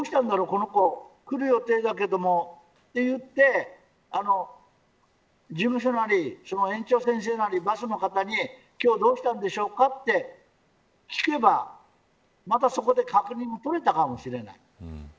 この子、来る予定だけどと言って事務所なり園長先生なりバスの方に今日どうしたんでしょうかと聞けばまた、そこで確認を取れたかもしれない。